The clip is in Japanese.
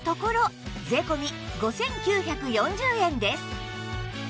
５９４０円です